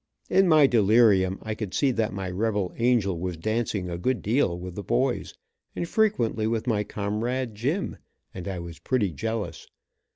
In my delirium I could see that my rebel angel was dancing a good deal with the boys, and frequently with my comrade, Jim, and I was pretty jealous.